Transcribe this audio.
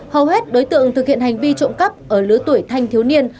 hầu hết đối tượng thực hiện hành vi trộm cắp ở lứa tuổi thanh thiếu niên